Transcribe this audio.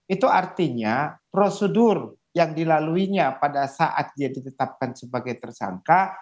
itu artinya prosedur yang dilaluinya pada saat dia ditetapkan sebagai tersangka